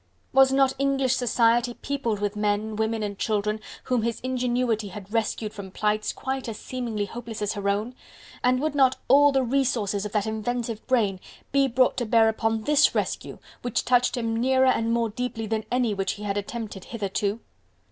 Was not English society peopled with men, women and children whom his ingenuity had rescued from plights quite as seemingly hopeless as her own, and would not all the resources of that inventive brain be brought to bear upon this rescue which touched him nearer and more deeply than any which he had attempted hitherto.